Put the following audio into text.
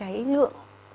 phải đưa vào trong ngày này